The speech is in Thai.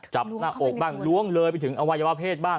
จับหน้าอกบ้างล้วงเลยไปถึงอวัยวะเพศบ้าง